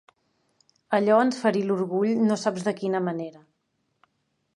Allò ens ferí l'orgull no saps de quina manera.